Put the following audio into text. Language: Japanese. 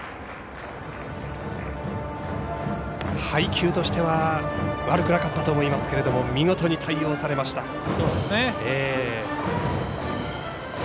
配球としては悪くなかったと思いますけど見事に対応されました。